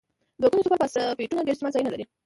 دوه ګونې سوپر فاسفیټونه ډیر استعمال ځایونه لري.